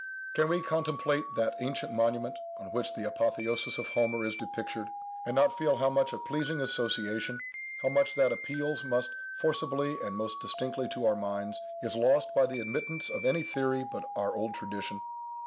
Can we contemplate that ancient monument, on which the "Apotheosis of Homer" is depictured, and not feel how much of pleasing association, how much that appeals most forcibly and most distinctly to our minds, is lost by the admittance of any theory but our old tradition?